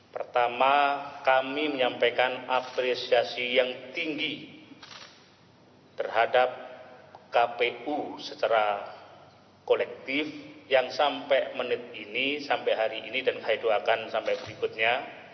pertama kami menyampaikan apresiasi yang tinggi terhadap kpu secara kolektif yang sampai menit ini sampai hari ini dan saya doakan sampai berikutnya